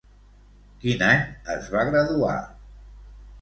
Quin any es va graduar?